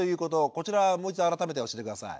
こちらもう一度改めて教えて下さい。